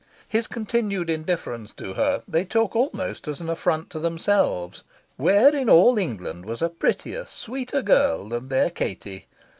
His continued indifference to her they took almost as an affront to themselves. Where in all England was a prettier, sweeter girl than their Katie?